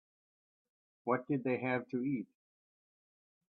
What did they have to eat?